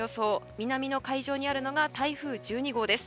南の海上にあるのが台風１２号です。